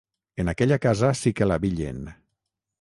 En aquella casa sí que l'abillen!